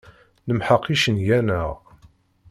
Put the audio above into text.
Nemḥeq icenga-nneɣ.